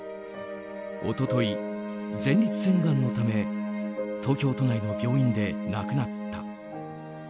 一昨日、前立腺がんのため東京都内の病院で亡くなった。